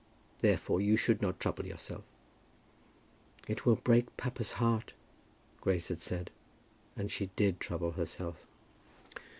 Therefore you should not trouble yourself." "It will break papa's heart," Grace had said, and she did trouble herself.